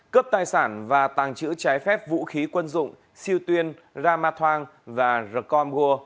cấp tài sản và tàng trữ trái phép vũ khí quân dụng siêu tuyên ramathwang và rekongua